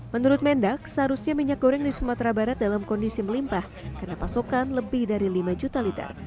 menurut mendak seharusnya minyak goreng di sumatera barat dalam kondisi melimpah karena pasokan lebih dari lima juta liter